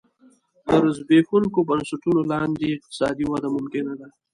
تر زبېښونکو بنسټونو لاندې اقتصادي وده ممکنه ده